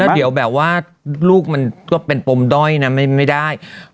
แล้วลูกมันก็เป็นปมด้อยนะไม่ได้